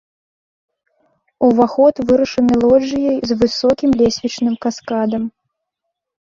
Уваход вырашаны лоджыяй з высокім лесвічным каскадам.